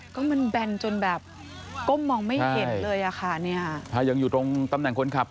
ก็มันแบนจนแบบก้มมองไม่เห็นเลยอะค่ะเนี่ยถ้ายังอยู่ตรงตำแหน่งคนขับ